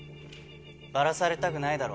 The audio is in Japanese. バラされたくないだろ？